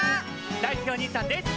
だいすけおにいさんです。